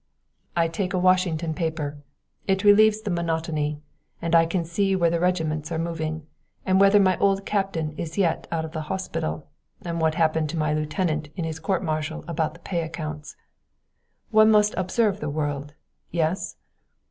"I take a Washington paper it relieves the monotony, and I can see where the regiments are moving, and whether my old captain is yet out of the hospital, and what happened to my lieutenant in his court martial about the pay accounts. One must observe the world yes?